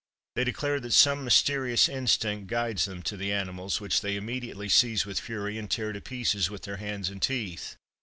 They declare that some mysterious instinct guides them to the animals, which they immediately seize with fury and tear to pieces with their hands and teeth.